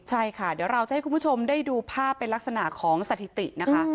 ใช่ค่ะเดี๋ยวเราจะให้คุณผู้ชมได้ดูภาพเป็นลักษณะของสถิตินะคะ